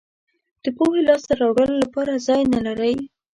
د پوهې لاسته راوړلو لپاره ځای نه لرئ.